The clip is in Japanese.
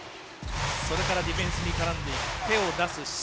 それからディフェンスに絡んでいく手を出す姿勢。